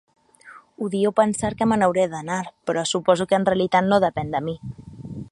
Odio pensar que me n'hauré d'anar, però suposo que en realitat no depèn de mi.